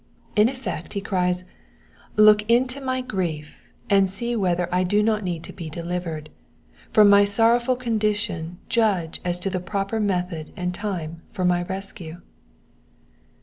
In effect he cries —Look into my grief, and see whether I do not need to be delivered. From my sorrowful condition judge as to the proper method and time for my rescue.